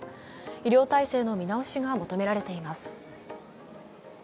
医療体制の見直しが求められています。